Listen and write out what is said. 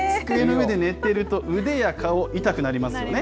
机の上で寝てると腕や顔、痛くなりますよね。